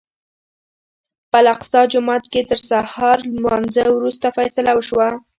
په الاقصی جومات کې تر سهار لمانځه وروسته فیصله وشوه.